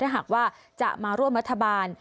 ถ้าหากว่าจะมาร่วมรัฐบาล